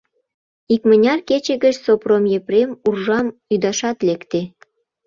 Икмыняр кече гыч Сопром Епрем уржам ӱдашат лекте.